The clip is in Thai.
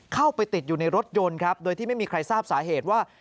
เข้าไปติดอยู่ในรถยนต์ครับโดยที่ไม่มีใครทราบสาเหตุว่า